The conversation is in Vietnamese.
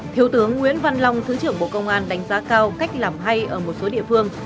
thiếu tướng nguyễn văn long thứ trưởng bộ công an đánh giá cao cách làm hay ở một số địa phương